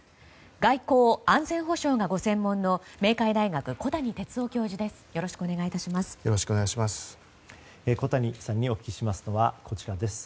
外交・安全保障がご専門の明海大学の小谷哲男教授です。